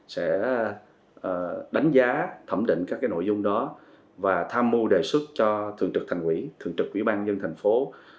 sẽ đánh giá thẩm định các nội dung đó và tham mưu đề xuất cho thường trực thành quỹ thường trực quỹ ban dân thành phố